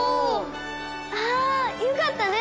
あよかったね。